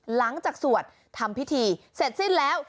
หลังจากสวดทำพิธีเสร็จสิ้นแล้ว